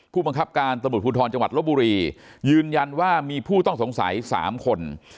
ผู้บังคับการตำรวจภูทรจังหวัดลบบุรียืนยันว่ามีผู้ต้องสงสัย๓คน